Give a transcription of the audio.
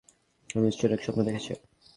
সে নিশ্চয়ই অনেক স্বপ্ন দেখেছে!